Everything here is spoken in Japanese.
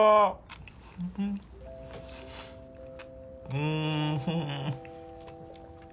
うん！